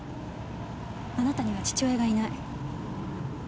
あなたには父親がいない。